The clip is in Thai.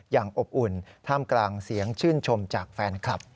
อบอุ่นท่ามกลางเสียงชื่นชมจากแฟนคลับ